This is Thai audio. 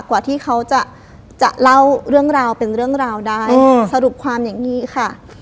กว่าที่เขาจะเล่าเรื่องราวเป็นเรื่องราวได้สรุปความอย่างนี้ค่ะ